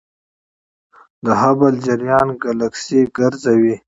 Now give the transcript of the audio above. د هبل جریان ګلکسي ګرځوي.